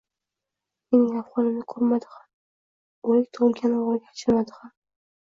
Mening ahvolimni so`ramadi ham, o`lik tug`ilgan o`g`liga achinmadi ham